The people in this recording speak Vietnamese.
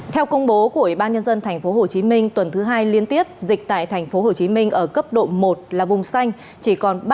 theo công bố của ủy ban nhân dân tp hcm tuần thứ hai liên tiếp dịch tại tp hcm ở cấp độ một là vùng xanh